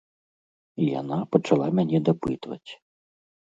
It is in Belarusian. І яна пачала мяне дапытваць.